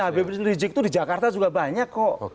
bahkan fotonya habib rizieq itu di jakarta juga banyak kok